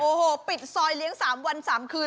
โอ้โหปิดซอยเลี้ยง๓วัน๓คืน